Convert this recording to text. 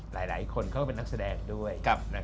หลายคนเขาก็เป็นนักแสดงด้วย